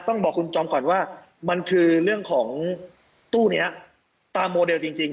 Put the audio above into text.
ต้องบอกคุณจอมก่อนว่ามันคือเรื่องของตู้นี้ตามโมเดลจริง